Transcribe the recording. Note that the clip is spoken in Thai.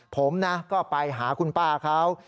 ผมนะก็ไปหาคุณป้าเขา